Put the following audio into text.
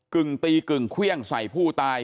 กึ่งตีกึ่งเครื่องใส่ผู้ตาย